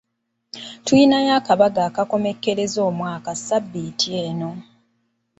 Tulinayo akabaga akakomekkereza omwaka ssabbiiti eno.